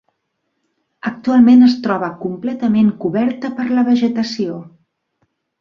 Actualment es troba completament coberta per la vegetació.